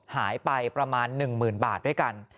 หายไปประมาณ๑๐๐๐บาทด้วยกัน